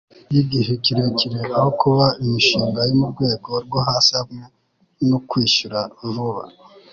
y'igihe kirekire aho kuba imishinga yo mu rwego rwo hasi hamwe no kwishyura vuba